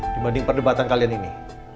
dibanding perdebatan kalian ini